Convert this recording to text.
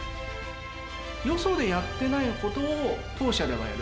よそでやってないことを当社ではやる。